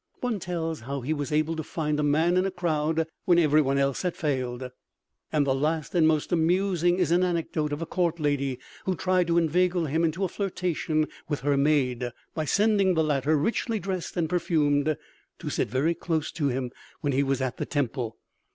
One tells how he was able to find a man in a crowd when everyone else had failed. And the last and most amusing is an anecdote of a court lady who tried to inveigle him into a flirtation with her maid by sending the latter, richly dressed and perfumed, to sit very close to him when he was at the temple.